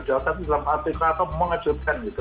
jawaban dalam arti kata mengejutkan gitu